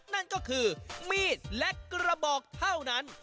นั่นก็คือมีดและกระบอกเท่านั้น